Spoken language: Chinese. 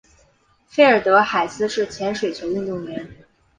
费尔德海斯是前水球运动员。